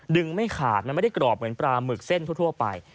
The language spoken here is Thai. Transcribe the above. ไม่ขาดมันไม่ได้กรอบเหมือนปลาหมึกเส้นทั่วไป